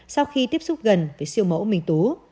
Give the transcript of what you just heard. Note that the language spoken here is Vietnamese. sau khi tiếp xúc gần với siêu mẫu minh tú